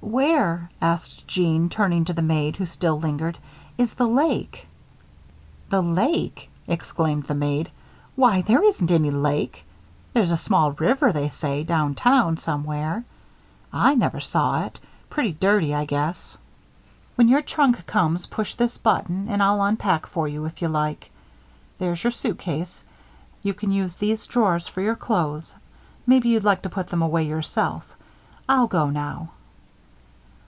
"Where," asked Jeanne, turning to the maid, who still lingered, "is the lake?" "The lake!" exclaimed the maid. "Why, there isn't any lake. There's a small river, they say, down town, somewhere. I never saw it pretty dirty, I guess. When your trunk comes, push this button and I'll unpack for you, if you like. There's your suitcase. You can use these drawers for your clothes maybe you'd like to put them away yourself. I'll go now."